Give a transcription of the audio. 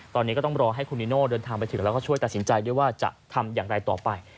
ตอนนี้ก็ต้องรอให้คุณนิโน่เดินทางไปถึงแล้วก็ช่วยตัดสินใจด้วยว่าจะทำอย่างไรต่อไป